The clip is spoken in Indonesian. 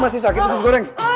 masih sakit butuh isu goreng